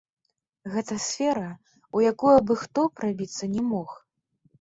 Гэта сфера, у якую абы-хто прабіцца не мог.